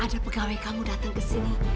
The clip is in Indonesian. ada pegawai kamu datang ke sini